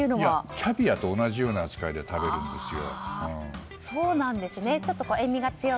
キャビアと同じような扱いで食べるんですよ。